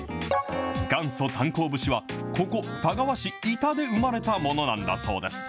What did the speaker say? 元祖炭坑節はここ、田川市伊田で生まれたものなんだそうです。